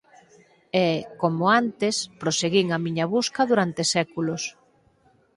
E, como antes, proseguín a miña busca durante séculos.